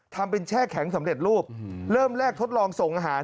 ทำเป็นแช่แข็งสำเร็จรูปเริ่มแรกทดลองส่งอาหาร